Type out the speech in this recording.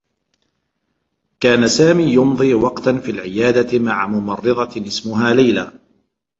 كان سامي يمضي وقتا في العيادة مع ممرّضة اسمها ليلى.